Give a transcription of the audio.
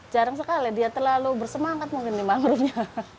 jarang sekali dia terlalu bersemangat mungkin di mangrovenya